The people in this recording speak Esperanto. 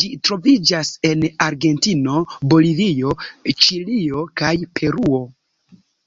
Ĝi troviĝas en Argentino, Bolivio, Ĉilio, kaj Peruo.